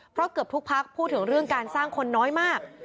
เพราะเกือบทุกพักพูดถึงเรื่องการสร้างคนน้อยมาก